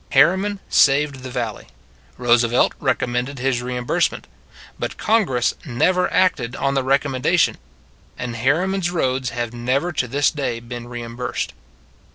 Harriman saved the valley; Roosevelt recommended his reimbursement; but Con gress never acted on the recommendation, and Harriman s roads have never to this day been reimbursed.